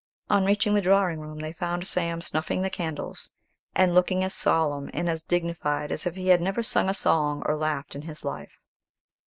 On reaching the drawing room, they found Sam snuffing the candles, and looking as solemn and as dignified as if he had never sung a song or laughed in his life.